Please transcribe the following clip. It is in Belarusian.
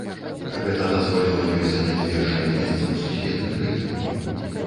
Гэта дазволіла ёй заняць першае месца ў сусветным рэйтынгу.